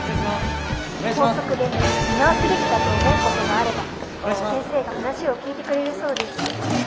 校則で見直すべきだと思う事があれば先生が話を聞いてくれるそうです。